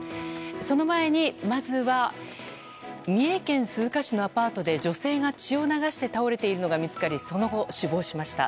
その前に、まずは三重県鈴鹿市のアパートで女性が血を流して倒れているのが見つかりその後、死亡しました。